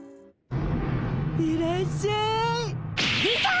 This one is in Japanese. いらっしゃい。出た！